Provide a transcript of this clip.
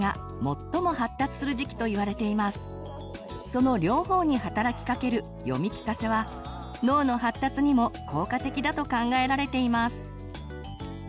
その両方に働きかける読み聞かせは脳の発達にも効果的だと考えられています。